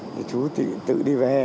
thì chú tự đi về